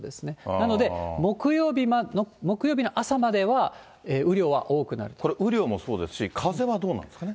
なので、木曜日の朝までは、これ、雨量もそうですし、風はどうなんですかね。